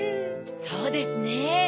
そうですね。